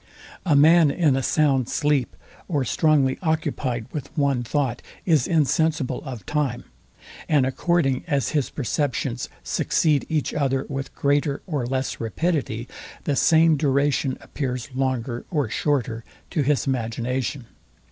A man in a sound sleep, or strongly occupyed with one thought, is insensible of time; and according as his perceptions succeed each other with greater or less rapidity, the same duration appears longer or shorter to his imagination.